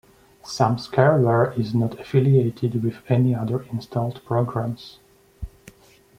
Some scareware is not affiliated with any other installed programs.